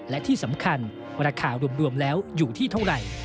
และที่สำคัญราคารวมแล้วอยู่ที่เท่าไหร่